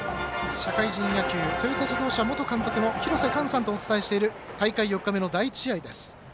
社会人野球トヨタ自動車元監督の廣瀬寛さんとお伝えしている、大会４日目の第１試合です。